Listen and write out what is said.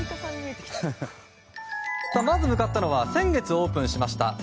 まず向かったのは先月オープンしました